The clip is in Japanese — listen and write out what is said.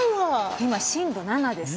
今震度７です。